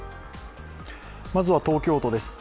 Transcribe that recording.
まずは東京都です。